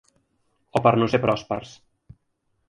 O per no ser pròspers.